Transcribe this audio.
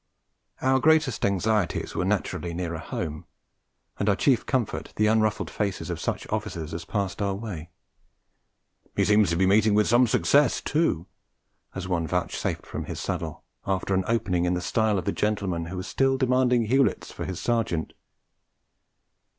Our greatest anxieties were naturally nearest home, and our chief comfort the unruffled faces of such officers as passed our way. 'He seems to be meeting with some success, too!' as one vouchsafed from his saddle, after an opening in the style of the gentleman who was still demanding Hewletts for his Sergeant.